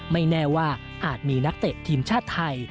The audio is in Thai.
ไม่แน่ว่าอาจมีนักเตะทีมชาติไทย